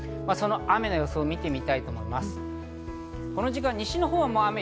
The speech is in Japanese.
雨の様子を見てみたいと思います。